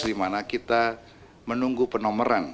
dimana kita menunggu penomeran